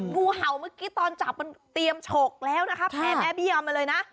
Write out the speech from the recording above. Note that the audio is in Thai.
งูเห่าเมื่อกี้ตอนจับมันเตรียมฉกแล้วนะคะแพร่แม่เบี้ยมาเลยนะ